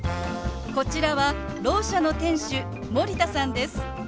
こちらはろう者の店主森田さんです。